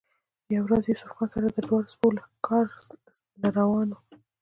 يوه ورځ يوسف خان سره د دواړو سپو ښکار له روان وۀ